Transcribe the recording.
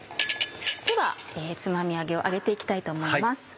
ではつまみ揚げを揚げて行きたいと思います。